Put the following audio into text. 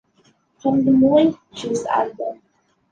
From the "Moving Pictures" album.